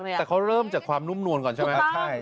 แต่เขาเริ่มจากความนุ่มนวลก่อนใช่ไหม